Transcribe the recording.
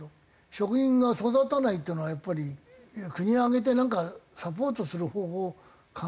職人が育たないっていうのはやっぱり国を挙げてなんかサポートする方法考えないと。